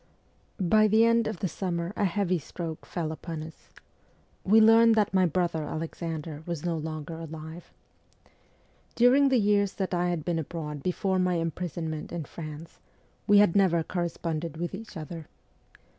By the end of the summer a heavy stroke fell upon us. We learned that. my brother Alexander was no longer alive. "During the years that I had been abroad before my WESTERN EUROPE 307 imprisonment in France, we had never corresponded with each other.